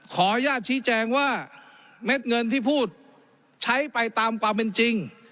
ขออนุญาตชี้แจงว่าเม็ดเงินที่พูดใช้ไปตามความเป็นจริง